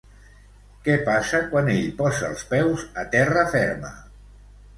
Què passa quan ell posa els peus a terra ferma?